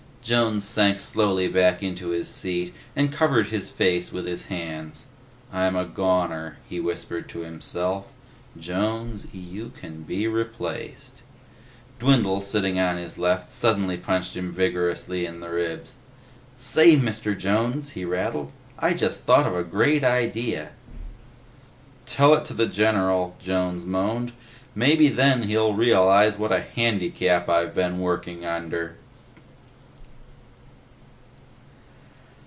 Jones sank slowly back into his seat and covered his face with his hands. "I'm a goner," he whispered to himself. "Jones, you can be replaced." Dwindle, sitting on his left, suddenly punched him vigorously in the ribs. "Say, Mr. Jones," he rattled, "I just thought of a great idea." "Tell it to the general," Jones moaned. "Maybe then he'll realize what a handicap I've been working under."